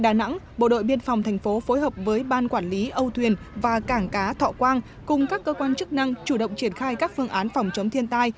đà nẵng bộ đội biên phòng thành phố phối hợp với ban quản lý âu thuyền và cảng cá thọ quang cùng các cơ quan chức năng chủ động triển khai các phương án phòng chống thiên tai